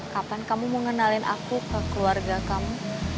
kapan kamu mau ngenalin aku ke keluarga kamu